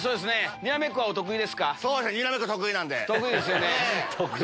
にらめっこはお得意ですか？